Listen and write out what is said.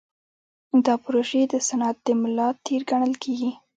دا پروژې د صنعت د ملا تیر ګڼل کېدې.